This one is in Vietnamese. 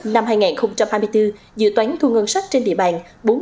năm hai nghìn hai mươi bốn dự toán thu ngân sách trên địa bàn